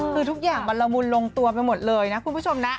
คือทุกอย่างมันละมุนลงตัวไปหมดเลยนะคุณผู้ชมนะ